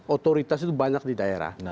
otoritas itu banyak di daerah